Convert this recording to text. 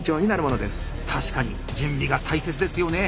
確かに準備が大切ですよね。